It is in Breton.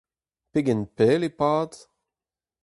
Pegen pell e pad ?